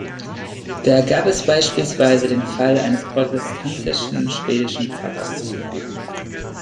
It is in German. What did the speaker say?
Da gab es beispielsweise den Fall eines protestantischen schwedischen Pfarrers.